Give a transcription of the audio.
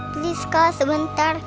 please kak sebentar